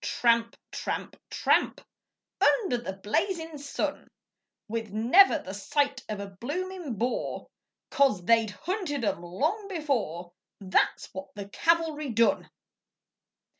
Tramp, tramp, tramp Under the blazin' sun, With never the sight of a bloomin' Boer, 'Cause they'd hunted 'em long before That's what the cavalry done!